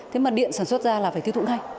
thế mà điện sản xuất ra là phải tiêu thụ ngay